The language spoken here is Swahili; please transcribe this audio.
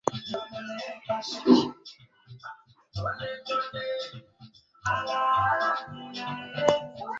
katika mwamba Ukristo uko Afrika katika wingi wa madhehebu